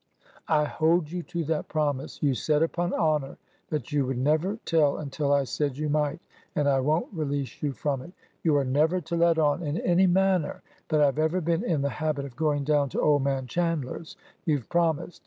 '' I hold you to that promise. You said, upon honor, that you would never tell until I said you might, and I won't release you from it. You are never to let on in any manner that I have ever been in the habit of going down to old man Chandler's. You 've prom ised! ..